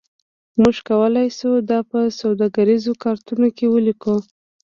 موږ کولی شو دا په سوداګریزو کارتونو کې ولیکو